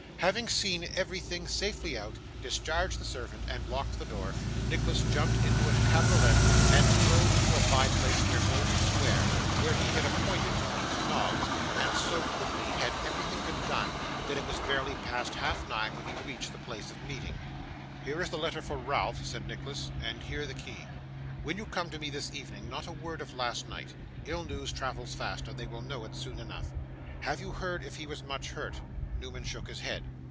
Having seen everything safely out, discharged the servant, and locked the door, Nicholas jumped into a cabriolet and drove to a bye place near Golden Square where he had appointed to meet Noggs; and so quickly had everything been done, that it was barely half past nine when he reached the place of meeting. 'Here is the letter for Ralph,' said Nicholas, 'and here the key. When you come to me this evening, not a word of last night. Ill news travels fast, and they will know it soon enough. Have you heard if he was much hurt?' Newman shook his head.